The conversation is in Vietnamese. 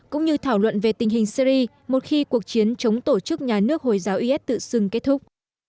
cũng như thảo luận về tình hình syri một khi cuộc chiến chống tổ chức nhà nước hồi giáo is tự xưng kết thúc